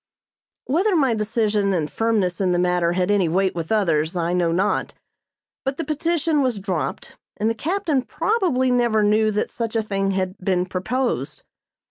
Whether my decision and firmness in the matter had any weight with others, I know not; but the petition was dropped, and the captain probably never knew that such a thing had been proposed.